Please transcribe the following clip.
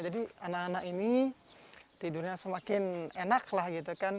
jadi anak anak ini tidurnya semakin enak lah gitu kan